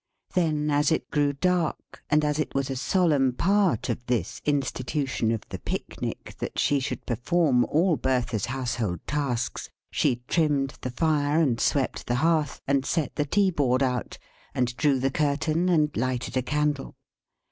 Then, as it grew dark, and as it was a solemn part of this Institution of the Pic Nic that she should perform all Bertha's household tasks, she trimmed the fire, and swept the hearth, and set the tea board out, and drew the curtain, and lighted a candle.